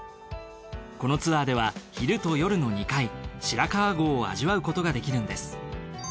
このツアーでは昼と夜の２回白川郷を味わうことができるんです。